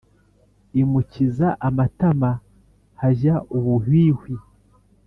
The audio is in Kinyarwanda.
imukiza amatama hajya ubuhwihwi